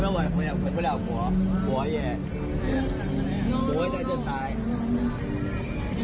โรงเรียนดูก็ได้โทรศีแต่ยังไม่ฟังกลัว